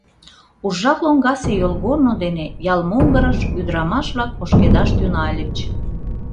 Уржа лоҥгасе йолгорно дене ял могырыш ӱдырамаш-влак ошкедаш тӱҥальыч.